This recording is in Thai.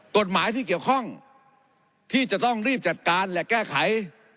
กฎหมายที่เกี่ยวข้องที่จะต้องรีบจัดการและแก้ไข